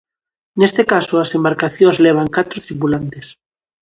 Neste caso, as embarcacións levan catro tripulantes.